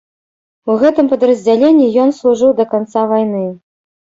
У гэтым падраздзяленні ён служыў да канца вайны.